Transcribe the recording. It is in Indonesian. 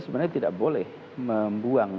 sebenarnya tidak boleh membuang